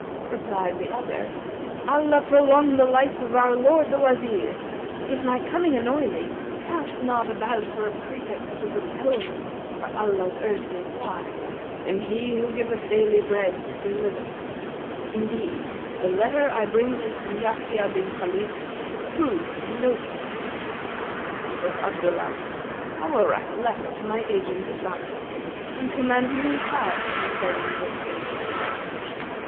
Replied the other, "Allah prolong the life of our lord the Wazir! If my coming annoy thee, cast not about for a pretext to repel me, for Allah's earth is wide and He who giveth daily bread still liveth. Indeed, the letter I bring thee from Yahya bin Khalid is true and no forgery." Quoth Abdullah, "I will write a letter to my agent[FN#250] at Baghdad and command him enquire concerning this same letter.